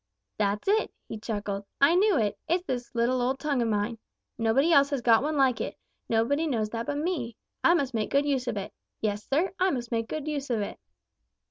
"'That's it,' he chuckled. 'I knew it. It's this little old tongue of mine. Nobody else has got one like it, but nobody knows that but me. I must make good use of it. Yes, Sir, I must make good use of it.'